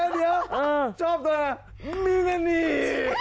เดี๋ยวชอบตัวนี้มีเงินนี่